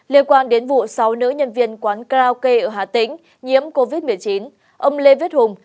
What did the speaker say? liên quan đến vụ sáu nữ nhân viên quán karaoke ở hà tĩnh nhiễm covid một mươi chín ông lê viết hùng